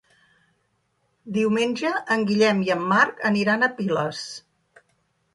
Diumenge en Guillem i en Marc aniran a Piles.